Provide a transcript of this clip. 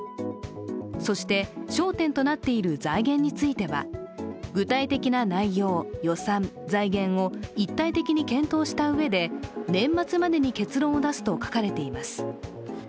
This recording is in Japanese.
そして焦点となっている財源については、具体的な内容、予算、財源を一体的に検討したうえで年末までに結論を出すと書かれています。